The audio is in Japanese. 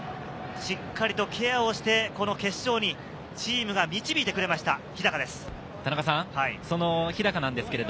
しっかりとケアをして、この決勝にチームが導いてくれました、日高です。